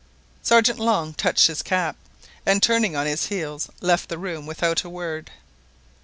Sergeant Long touched his cap, and turning on his heel left the room without a word.